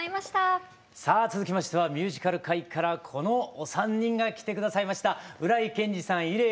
さあ続きましてはミュージカル界からこのお三人が来て下さいました。